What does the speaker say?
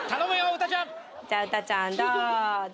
うたちゃんじゃあうたちゃんどうぞ！